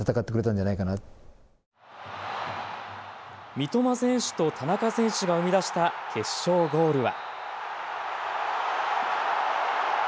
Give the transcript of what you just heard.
三笘選手と田中選手が生み出した決勝ゴールは。